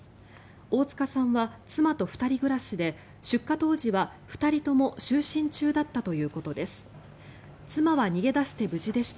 大塚さんは妻と２人暮らしで出火当時は２人とも就寝中だったということです。